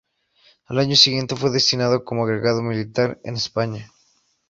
Al año siguiente fue destinado como agregado militar en España.